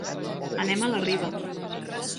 Anem a la Riba.